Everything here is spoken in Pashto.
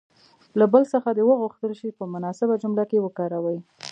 له بل څخه دې وغوښتل شي چې په مناسبه جمله کې وکاروي.